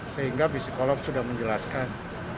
sehingga psikolog sudah menjelaskan